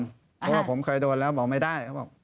เพราะว่าผมเคยโดนแล้วบอกไม่ได้